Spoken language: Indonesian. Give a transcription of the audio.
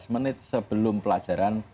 menit sebelum pelajaran